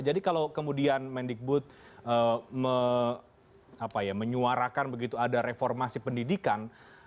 jadi kalau kemudian mendik budi menyuarakan begitu ada reformasi pendidikan